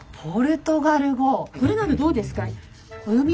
これなどどうですか？